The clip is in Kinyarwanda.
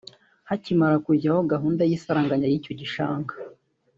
Hakimara kujyaho gahunda y’isaranganya ry’icyo gishanga